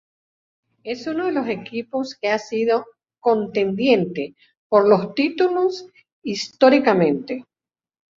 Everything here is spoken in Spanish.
Es uno de los equipos que ha sido contendiente por los títulos históricamente.